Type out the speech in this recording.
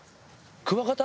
クワガタ？